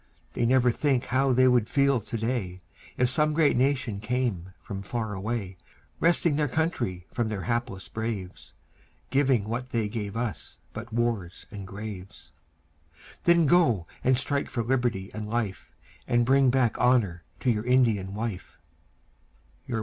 They never think how they would feel to day, If some great nation came from far away, Wresting their country from their hapless braves, Giving what they gave us but wars and graves. Then go and strike for liberty and life, And bring back honour to your Indian wife.